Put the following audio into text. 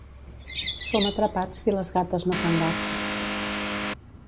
Som atrapats si les gates no fan gats.